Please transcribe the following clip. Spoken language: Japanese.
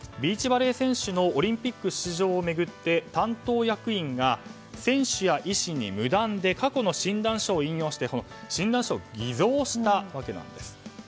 バレー選手のオリンピック出場を巡って担当役員が選手や医師に無断で過去の診断書を引用して診断書を偽造したわけなんです。